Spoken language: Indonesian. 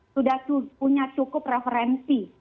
sudah punya cukup referensi